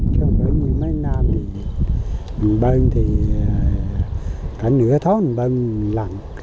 trong mỗi mươi mấy năm thì mình bơm thì cả nửa tháng mình bơm lần